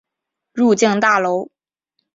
入境大楼